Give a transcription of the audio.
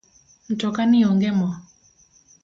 Mtoka ni onge moo